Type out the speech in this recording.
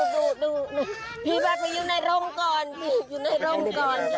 ดูดูดูพี่มาไปอยู่ในร่องก่อนพี่อยู่ในร่องก่อน